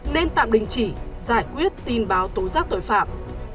nên tạm đình chỉ giải quyết tin báo tố giác tội phạm